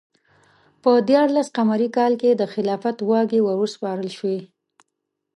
په دیارلس ه ق کال کې د خلافت واګې وروسپارل شوې.